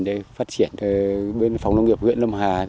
để phát triển bên phòng nông nghiệp huyện lâm hà